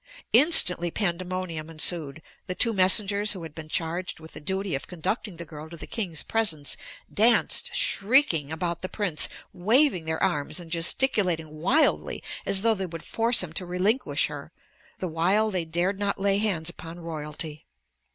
Instantly pandemonium ensued. The two messengers who had been charged with the duty of conducting the girl to the king's presence danced, shrieking, about the prince, waving their arms and gesticulating wildly as though they would force him to relinquish her, the while they dared not lay hands upon royalty.